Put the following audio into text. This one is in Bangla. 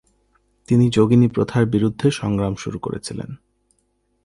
তিনি যোগিনী প্রথার বিরুদ্ধে সংগ্রাম শুরু করেছিলেন।